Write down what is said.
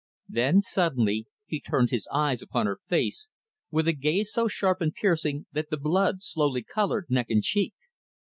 Then, suddenly, he turned his eyes upon her face, with a gaze so sharp and piercing that the blood slowly colored neck and cheek.